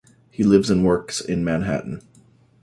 He lives and works in Manhattan.